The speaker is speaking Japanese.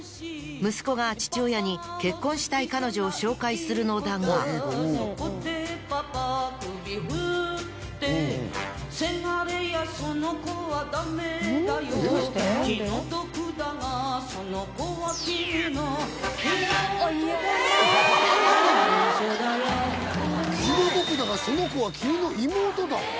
息子が父親に結婚したい彼女を紹介するのだが「気の毒だがその娘は君の妹だ」